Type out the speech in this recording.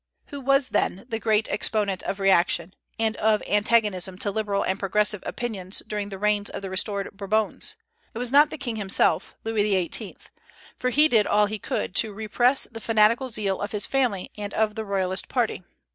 Who was then the great exponent of reaction, and of antagonism to liberal and progressive opinions, during the reigns of the restored Bourbons? It was not the king himself, Louis XVIII.; for he did all he could to repress the fanatical zeal of his family and of the royalist party.